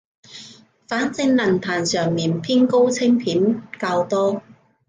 反正論壇上面偏高清片較多